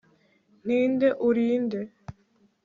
Ninde uri nde